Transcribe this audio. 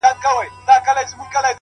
نه؛ مزل سخت نه و ـ آسانه و له هري چاري ـ